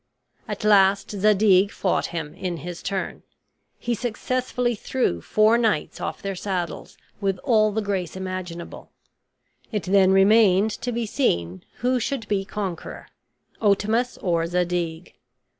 At last Zadig fought him in his turn. He successively threw four knights off their saddles with all the grace imaginable. It then remained to be seen who should be conqueror, Otamus or Zadig.